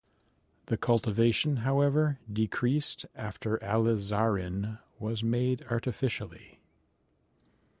The cultivation, however, decreased after alizarin was made artificially.